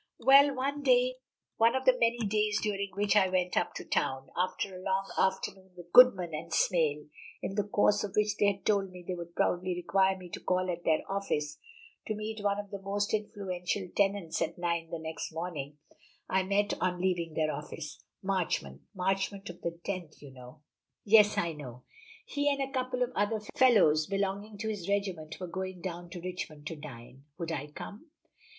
"Well, one day, one of the many days during which I went up to town, after a long afternoon with Goodman and Smale, in the course of which they had told me they would probably require me to call at their office to meet one of the most influential tenants at nine the next morning, I met, on leaving their office, Marchmont Marchmont of the Tenth, you know." "Yes, I know." "He and a couple of other fellows belonging to his regiment were going down to Richmond to dine. Would I come?